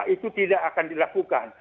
itu tidak akan dilakukan